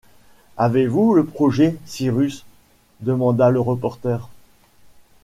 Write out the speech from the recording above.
Avez-vous un projet, Cyrus ? demanda le reporter.